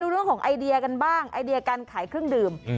เรื่องของไอเดียกันบ้างไอเดียการขายเครื่องดื่ม